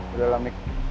udah lah mik